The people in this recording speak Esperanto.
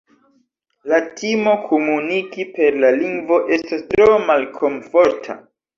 La timo komuniki per la lingvo estos tro malkomforta.